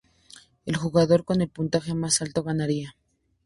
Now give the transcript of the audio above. El jugador con el puntaje más alto ganaría.